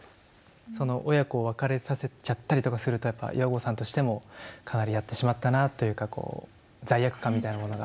その親子を別れさせちゃったりとかするとやっぱ岩合さんとしてもかなりやってしまったなというかこう罪悪感みたいなものが？